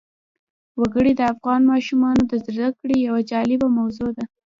وګړي د افغان ماشومانو د زده کړې یوه جالبه موضوع ده.